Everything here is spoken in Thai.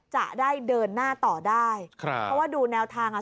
จะได้เดินหน้าต่อได้ครับเพราะว่าดูแนวทางอ่ะ